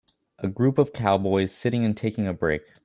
A group of Cowboys sitting and taking a break